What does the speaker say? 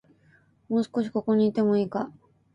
もう少し、ここにいてもいいか